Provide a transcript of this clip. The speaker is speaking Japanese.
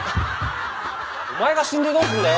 お前が死んでどうすんだよ？